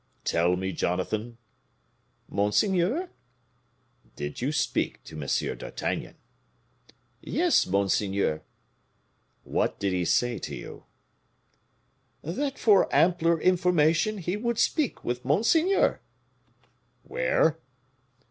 "Tell me, Jonathan?" "Monseigneur?" "Did you speak to M. d'Artagnan?" "Yes, monseigneur." "What did he say to you?" "That for ampler information, he would speak with monseigneur." "Where?"